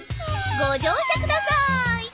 ご乗車ください。